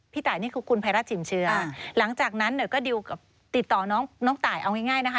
ตายนี่คือคุณภัยรัฐชิมเชื้อหลังจากนั้นเนี่ยก็ดิวกับติดต่อน้องตายเอาง่ายนะคะ